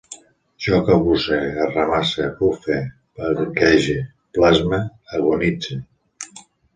Jo cabusse, arramasse, bufe, bequege, blasme, agonitze